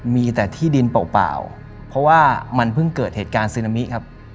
มีแต่ที่ดินเปล่าเพราะว่ามันเพิ่งเกิดเหตุการณ์ซึนามิครับ